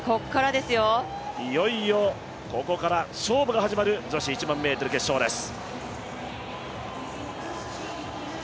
いよいよ、ここから勝負が始まる女子１００００ｍ決勝です。